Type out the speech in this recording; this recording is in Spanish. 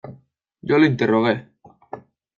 yo le interrogué: